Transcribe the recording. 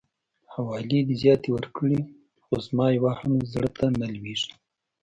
حوالې دي زياتې ورکړلې خو زما يوه هم زړه ته نه لويږي.